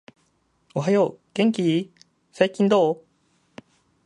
おはよう、元気ー？、最近どう？？